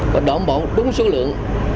và đảm bảo đúng số lượng